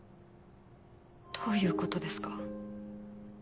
どういうことですか？